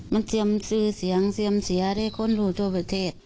มันเตรียมซื้อเสียงเซียมเสียได้คนรู้ทั่วประเทศ